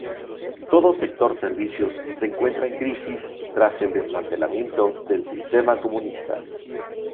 Todo el sector servicios se encuentra en crisis tras el desmantelamiento del sistema comunista.